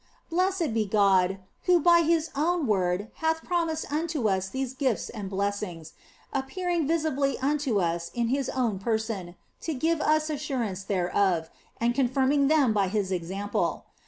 Blessed be God, who by His own word hath promised unto us these gifts and blessings, appearing visibly unto us in His own person to give us assurance thereof, and confirming them by His example.